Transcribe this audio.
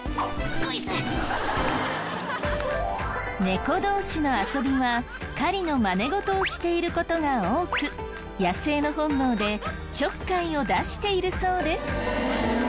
猫同士の遊びは狩りのマネ事をしている事が多く野生の本能でちょっかいを出しているそうです。